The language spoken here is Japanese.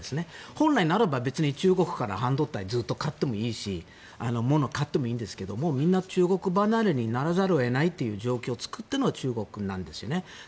本来ならば別に中国から半導体をずっと買ってもいいしものを買ってもいいんですがもうみんな中国離れにならざるを得ないという状況を作ってるのが中国なんですよね。